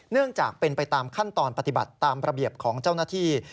เนื่องจากเป็นไปตามขั้นตอนปฏิบัติตามระเบียบของเจ้าหน้าที่